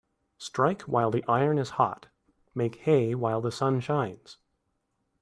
Strike while the iron is hot Make hay while the sun shines